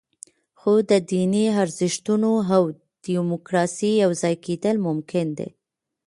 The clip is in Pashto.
خو د دیني ارزښتونو او دیموکراسۍ یوځای کېدل ممکن دي.